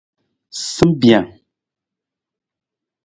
Simbijang.